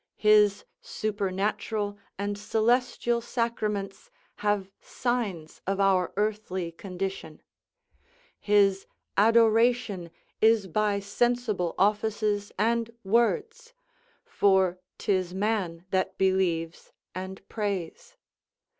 His supernatural and celestial sacraments have signs of our earthly condition; his adoration is by sensible offices and words; for 'tis man that believes and prays.